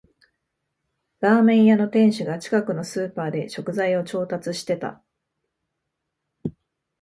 ラーメン屋の店主が近くのスーパーで食材を調達してた